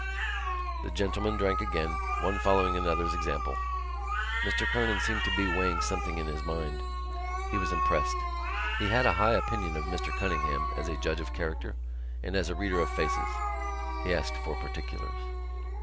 The gentlemen drank again, one following another's example. Mr Kernan seemed to be weighing something in his mind. He was impressed. He had a high opinion of Mr Cunningham as a judge of character and as a reader of faces. He asked for particulars.